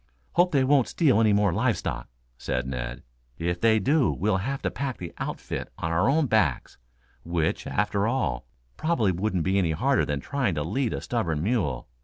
"Hope they won't steal anymore live stock," said Ned. "If they do we'll have to pack the outfit on our own backs, which, after all, probably wouldn't be any harder than trying to lead a stubborn mule.